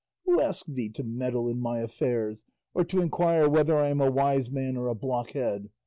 Who asked thee to meddle in my affairs, or to inquire whether I am a wise man or a blockhead?